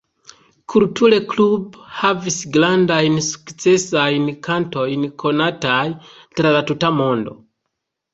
Culture Club havis grandajn sukcesajn kantojn konataj tra la tuta mondo.